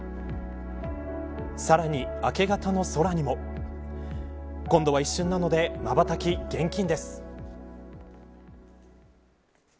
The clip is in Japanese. さらに明け方の空にも。今度は一瞬なのでまばたき、厳禁です。